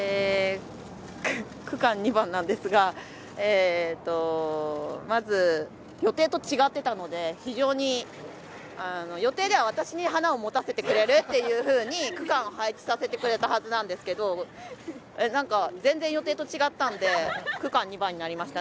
区間２番なんですが、まず、予定と違っていたので非常に予定では私に花を持たせてくれるということで区間を配置させてくれたはずなんですけど、なんか全然予定と違ったんで、区間２番になりました。